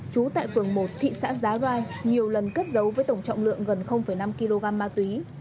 trú tại phường một thị xã giá rai nhiều lần cất giấu với tổng trọng lượng gần năm kg ma túy